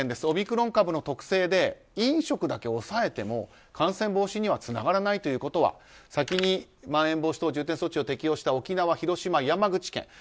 オミクロン株の特性で飲食だけ抑えても感染防止にはつながらないということは先にまん延防止等重点措置を適用した沖縄、広島、山口県